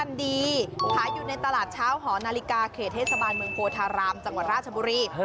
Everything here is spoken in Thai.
นาฬิกาเขตเทศบาลเมืองโภธารามจังหวัดราชบุรี